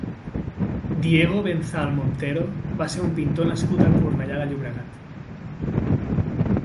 Diego Benzal Montero va ser un pintor nascut a Cornellà de Llobregat.